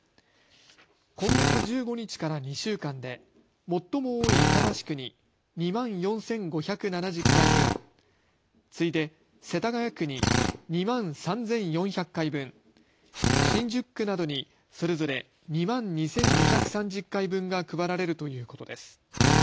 今月１５日から２週間で最も多い板橋区に２万４５７０回分、次いで世田谷区に２万３４００回分、新宿区などにそれぞれ２万２２３０回分が配られるということです。